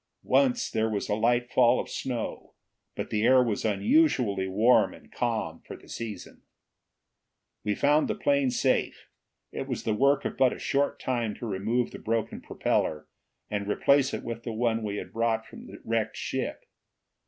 Once there was a light fall of snow, but the air was unusually warm and calm for the season. We found the plane safe. It was the work of but a short time to remove the broken propeller and replace it with the one we had brought from the wrecked ship.